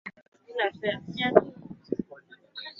hii ni hadhira kubwa sana kwa mradi wa kuanza